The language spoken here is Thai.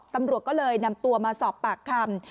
ตำรวจก็เลยนำตัวมาสอบปากคำ